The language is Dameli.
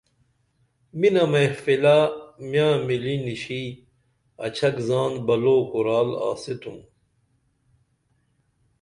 منہ محفلہ میاں مِلی نشی اچھک زان بلو کُرال آستُھم